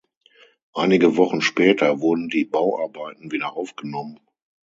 Einige Wochen später wurden die Bauarbeiten wieder aufgenommen.